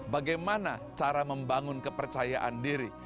bagaimana cara membangun kepercayaan diri